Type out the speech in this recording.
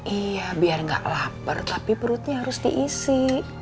iya biar gak lapar tapi perutnya harus diisi